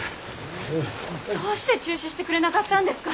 どうして中止してくれなかったんですか？